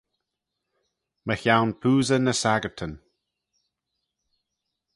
Mychione poosey ny saggyrtyn.